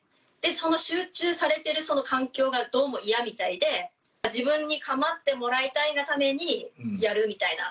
その集中されてるその環境が、どうも嫌みたいで、自分にかまってもらいたいがためにやるみたいな。